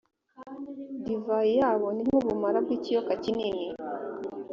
divayi yabo ni nk’ubumara bw’ikiyoka kinini,